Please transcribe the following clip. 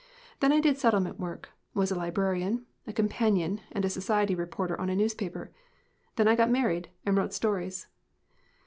Then I did settlement work, was a librarian, a companion, and society reporter on a newspaper. Then I got married and wrote stories."